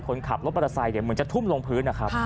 คุณขับรถประสัยเหมือนจะทุ่มลงพื้น